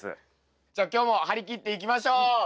じゃ今日も張り切っていきましょう。